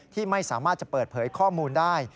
ที่ไม่สามารถจะเปิดเผยข้อมูลได้